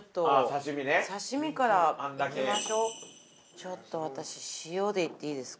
ちょっと私塩でいっていいですか？